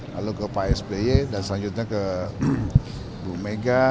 lalu ke pak sby dan selanjutnya ke bu mega